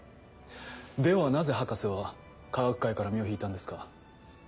ではなぜ博士は科学界から身を引いたんですか？